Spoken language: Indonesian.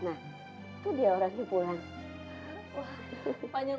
itu dia orangnya pulang